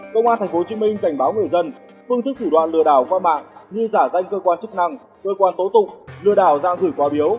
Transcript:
công an tp hcm cảnh báo người dân phương thức thủ đoạn lừa đảo qua mạng như giả danh cơ quan chức năng cơ quan tố tụng lừa đảo ra gửi quà biếu